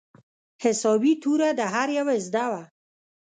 حسابي توره د هر يوه زده وه.